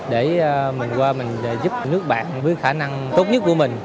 để mình qua mình để giúp nước bạn với khả năng tốt nhất của mình